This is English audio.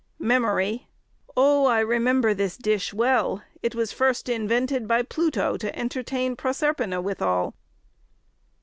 "Memory. O, I remember this dish well; it was first invented by Pluto, to entertain Proserpina withal.